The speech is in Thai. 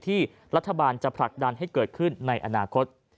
ที่รัฐบาลจะผลักดันให้เกิดขึ้นในอนาคต